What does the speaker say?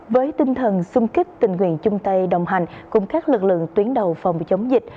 với tinh thần xung kích tình nguyện trung tây đồng hành cùng các lực lượng tuyến đầu phòng chống dịch